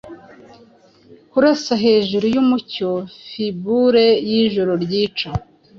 Kurasa hejuru yumucyo Fibure yijoro ryica,